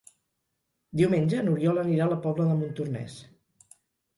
Diumenge n'Oriol anirà a la Pobla de Montornès.